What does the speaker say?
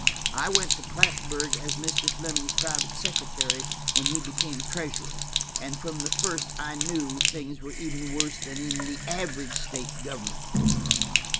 I went to Plattsburg as Mr. Fleming's private secretary when he became treasurer, and from the first I knew things were even worse that the average state government.